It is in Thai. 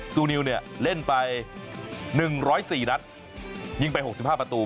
ซูนิวเนี่ยเล่นไป๑๐๔นัดยิงไป๖๕ประตู